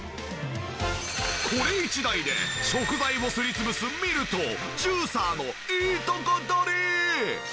これ一台で食材をすり潰すミルとジューサーのいいとこ取り！